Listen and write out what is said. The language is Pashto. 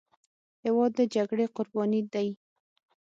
هېواد د جګړې قرباني دی.